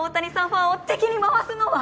ファンを敵に回すのは？